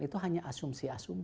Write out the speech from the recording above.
itu hanya asumsi asumsi